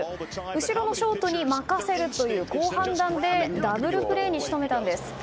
後ろのショートに任せるという好判断でダブルプレーに仕留めたんです。